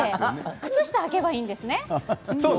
靴下をはけばいいんですね。